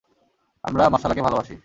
আমরা মশালাকে ভালোবাসি।